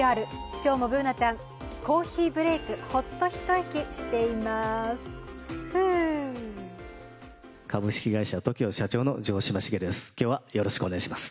今日もＢｏｏｎａちゃん、コーヒーブレーク、ホッとひと息しています。